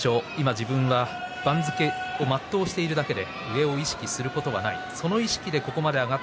一場所一場所、今自分は番付を全うしているだけで上を意識することはない